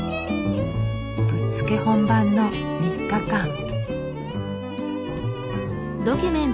ぶっつけ本番の３日間。